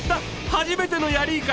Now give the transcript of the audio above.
初めてのヤリイカ！